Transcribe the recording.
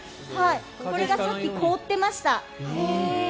これがさっき凍ってました。